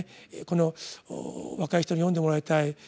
この若い人に読んでもらいたい。